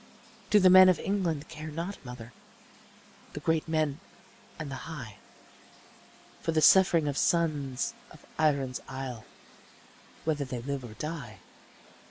Do the men of England care not, mother, The great men and the high, For the suffering sons of Erin's isle, Whether they live or die?